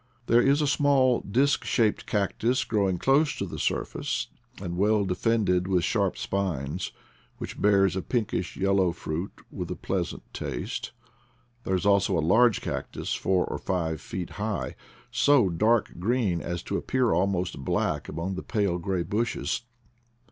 There is a small disk shaped cactus, growing close to the surface, and well defended with sharp spines, which bears a pinkish yellow fruit with a pleasant taste. There is also a large cactus, four or five feet high, so dark green as to appear almost black among the pale gray bushes.